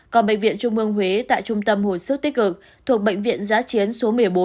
còn bệnh viện trung ương huế tại trung tâm hồi sức tích cực thuộc bệnh viện giá chiến số một mươi bốn